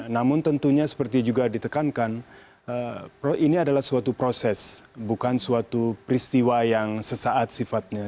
namun tentunya seperti juga ditekankan ini adalah suatu proses bukan suatu peristiwa yang sesaat sifatnya